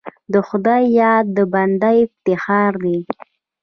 د خدای یاد د بنده افتخار دی.